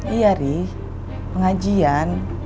iya ri pengajian